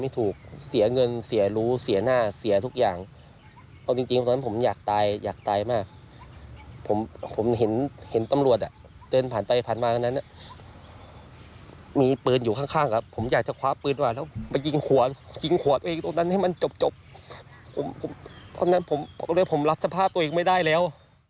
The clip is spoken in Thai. ตรงนั้นให้มันจบเพราะฉะนั้นผมรับสภาพตัวเองไม่ได้แล้ว